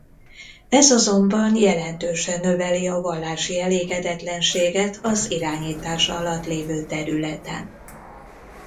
Ez azonban jelentősen növeli a vallási elégedetlenséget az irányítása alatt lévő területen.